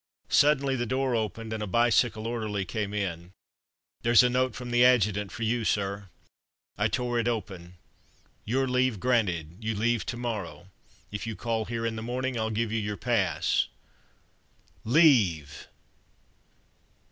Suddenly the door opened and a bicycle orderly came in: "There's a note from the Adjutant for you, sir." I tore it open. "Your leave granted; you leave to morrow. If you call here in the morning, I'll give you your pass." LEAVE!!